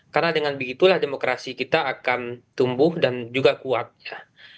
karena dengan begitulah demokrasi kita akan tumbuh dan juga kuat ya